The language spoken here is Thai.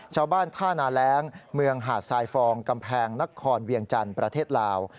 ชาวบ้านท่านาแร้งเมืองหาดทรายฟองกำแพงนครเวียงจันทร์ประเทศลาว